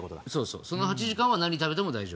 その８時間は何食べても大丈夫。